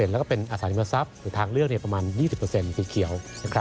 แล้วก็เป็นอสังทรัพย์หรือทางเลือกประมาณ๒๐สีเขียว